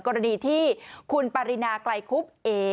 กรณีที่คุณปรินาไกลคุบเอ๋